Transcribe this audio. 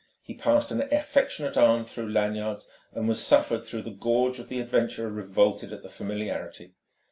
He passed an affectionate arm through Lanyard's and was suffered, though the gorge of the adventurer revolted at the familiarity.